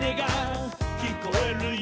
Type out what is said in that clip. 「きこえるよ」